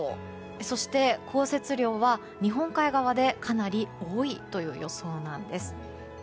そして、降雪量は日本海側でかなり多いという予想なんです。